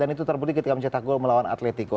dan itu terbunyi ketika mencetak gol melawan atletico